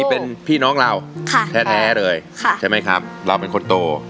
เป็นพี่น้องเราแท้เลยใช่ไหมครับเราเป็นคนโต